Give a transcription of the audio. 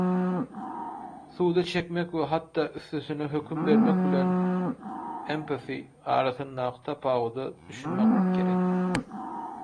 Suda çekmek we hatda üstesine höküm bermek bilen "empathy" arasyndaky tapawuda düşünmek gerek.